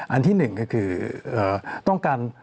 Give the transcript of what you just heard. อันที่หนึ่งก็คือต้องการ